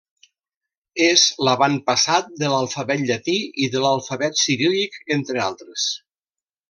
És l'avantpassat de l'alfabet llatí i de l'alfabet ciríl·lic, entre altres.